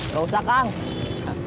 gak usah kang